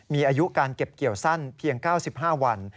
มีอายุการเก็บเกี่ยวสั้นเพียง๙๕วัน